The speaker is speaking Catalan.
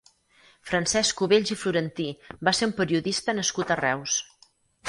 Francesc Cubells i Florentí va ser un periodista nascut a Reus.